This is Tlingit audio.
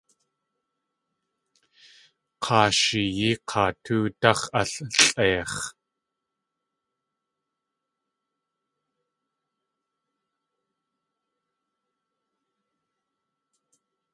K̲aa sheiyí k̲aa tóodáx̲ allʼeix̲.